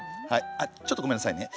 あちょっとごめんなさいね。